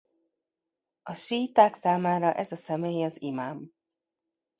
A síiták számára ez a személy az imám.